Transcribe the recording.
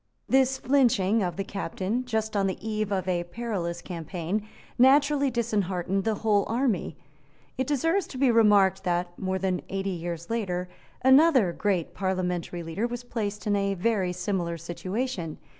This flinching of the captain, just on the eve of a perilous campaign, naturally disheartened the whole army. It deserves to be remarked that, more than eighty years later, another great parliamentary leader was placed in a very similar situation.